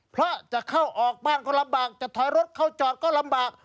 เพราะจะเข้าออกบ้านก็ลำบากจะถอยรถเข้าจอดก็ลำบาก